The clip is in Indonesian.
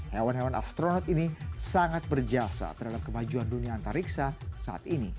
hewan hewan astronot ini sangat berjasa terhadap kemajuan dunia antariksa saat ini